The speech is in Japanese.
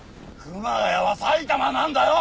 熊谷は埼玉なんだよ！